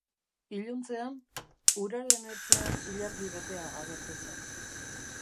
Iluntzean uraren ertzean ilargi betea agertu zen.